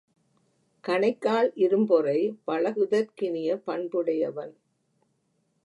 கணைக்கால் இரும்பொறை பழகுதற்கினிய பண்புடையவன்.